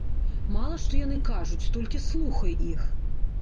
Мала што яны кажуць, толькі слухай іх!